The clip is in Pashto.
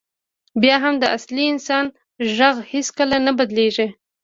بیا هم د اصلي انسان غږ هېڅکله نه بدلېږي.